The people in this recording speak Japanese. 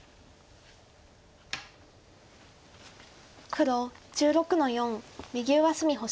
黒１６の四右上隅星。